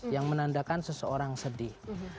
yang menandakan seseorang sedih